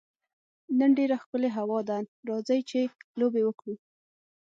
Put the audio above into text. نن ډېره ښکلې هوا ده، راځئ چي لوبي وکړو.